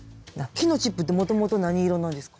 木のチップってもともと何色なんですか？